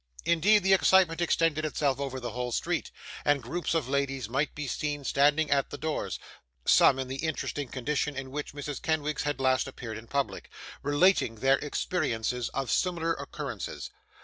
Indeed, the excitement extended itself over the whole street, and groups of ladies might be seen standing at the doors, (some in the interesting condition in which Mrs. Kenwigs had last appeared in public,) relating their experiences of similar occurrences.